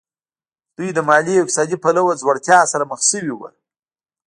دوی له مالي او اقتصادي پلوه ځوړتیا سره مخ شوي وو